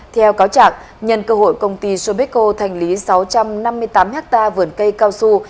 theo cáo trạng nhân cơ hội công ty sobico thành lý sáu trăm năm mươi tám ha vườn cây cao su